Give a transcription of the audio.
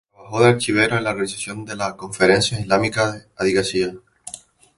Trabajó de archivero en la Organización de la Conferencia Islámica de Adiguesia.